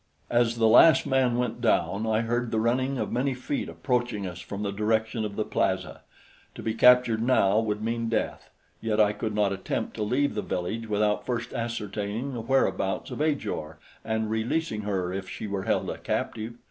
As the last man went down, I heard the running of many feet approaching us from the direction of the plaza. To be captured now would mean death; yet I could not attempt to leave the village without first ascertaining the whereabouts of Ajor and releasing her if she were held a captive.